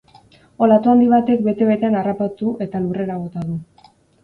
Olatu handi batek bete betean harrapatu eta lurrera bota du.